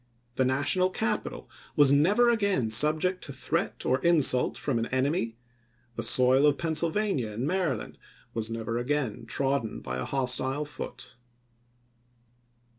The National capital was never again subject to threat or insult from an enemy ; the soil of Pennsylvania and Maryland was never again trodden by a hostile foot. Sept.